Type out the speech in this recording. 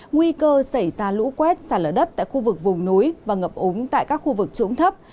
nguy cơ xảy ra lũ quét xả lở đất tại khu vực vùng núi và ngập úng tại các khu vực trũng thấp